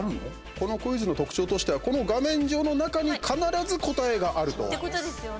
このクイズの特徴としてはこの画面上の中に必ず答えがあると。